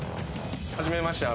初めまして。